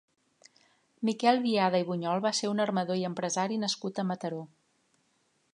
Miquel Biada i Bunyol va ser un armador i empresari nascut a Mataró.